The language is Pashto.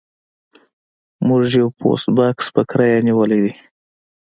موږ یو پوسټ بکس په کرایه نیولی دی